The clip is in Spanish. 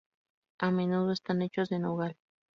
A menudo, están hechos de nogal.